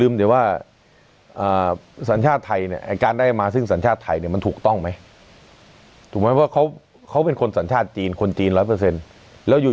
มาได้สัญชาติไทยเนี่ยมันได้กันง่ายอย่างนั้นเลยหรอ